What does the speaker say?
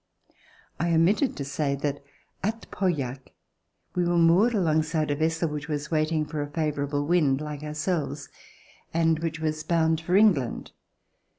I omitted to say that at Pauillac we were moored alongside a vessel which was waiting for a favorable wind, like ourselves, and which was bound for Eng land.